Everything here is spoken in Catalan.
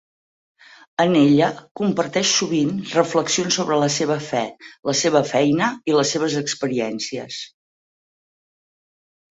En ella, comparteix sovint reflexions sobre la seva fe, la seva feina i les seves experiències.